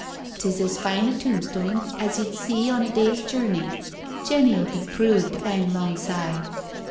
" Tis as fine a tombstone as ye*d see on a day*s journey — Jenny*ull be prood to 'ang 'longside.